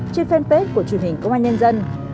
trên fanpage của truyền hình công an nhân dân